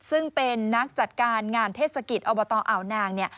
ซึ่งเป็นนักจัดการงานเทศกิจอบตอ่าวนางเนี่ย